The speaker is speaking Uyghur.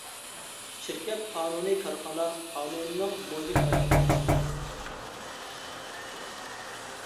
شىركەت قانۇنى كارخانا قانۇنىنىڭ مۇھىم تەركىبىي قىسمىدۇر.